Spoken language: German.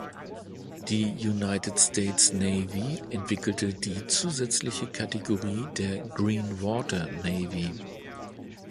Die United States Navy entwickelte die zusätzliche Kategorie der "green-water navy".